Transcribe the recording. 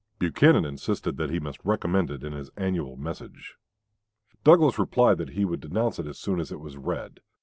Buchanan insisted that he must recommend it in his annual message. Douglas replied that he would denounce it as soon as it was read.